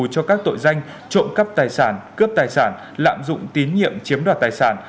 cho các tội danh trộm cắp tài sản cướp tài sản lạm dụng tín nhiệm chiếm đoạt tài sản